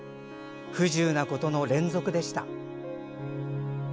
不自由なことの連続でした。